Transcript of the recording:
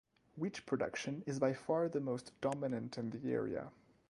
Wheat production is by far the most dominant in the area.